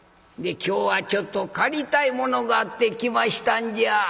今日はちょっと借りたいものがあって来ましたんじゃ」。